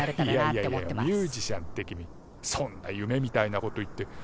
いやいやいやミュージシャンって君そんな夢みたいなこと言って。